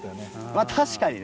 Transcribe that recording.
まぁ確かにね。